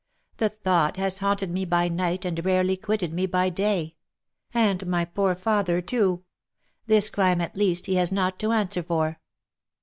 The thought has haunted me by night, and rarely quitted me by day. And my poor father too ! This crime at least he has not to answer for